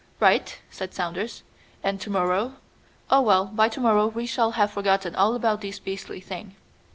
"Right," said Saunders; "and to morrow Oh, well, by to morrow we shall have forgotten all about this beastly thing."